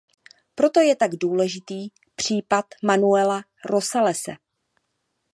Proto je tak důležitý případ Manuela Rosalese.